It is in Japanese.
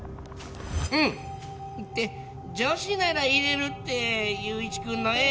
うん！って女子なら入れるって友一くんのエッチ！